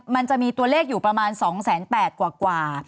มันจะมีตัวเลขอยู่ประมาณ๒๘๐๐กว่า